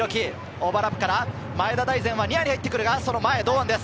オーバーラップから前田大然はニアに入ってくるが、その前、堂安です。